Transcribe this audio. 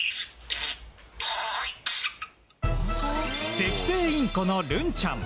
セキセイインコのるんちゃん。